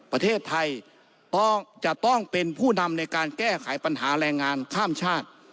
ประเทศไทยจะต้องเป็นผู้นำในการแก้ไขปัญหาแรงงานข้ามชาติ